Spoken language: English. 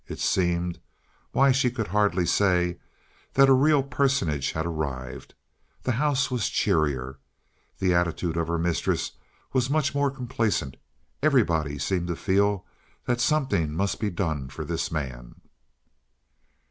It seemed, why she could hardly say, that a real personage had arrived. The house was cheerier. The attitude of her mistress was much more complaisant. Everybody seemed to feel that something must be done for this man.